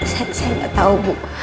saya saya gak tau bu